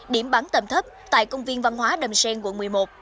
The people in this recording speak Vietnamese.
điểm bắn tầm thấp tại công viên văn hóa đầm xen quận một mươi một